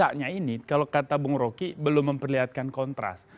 tapi kalau kita melihatnya ini kalau kata bung roki belum memperlihatkan kontras